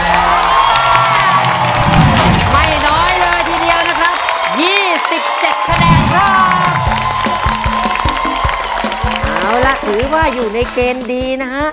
เอาล่ะถือว่าอยู่ในเกณฑ์ดีนะฮะ